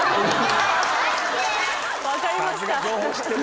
わかりました。